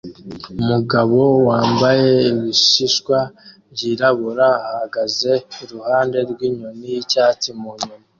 Umugabo wambaye ibishishwa byirabura ahagaze iruhande rwinyoni yicyatsi mu nyoni